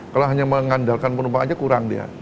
kalau hanya mengandalkan penumpang aja kurang dia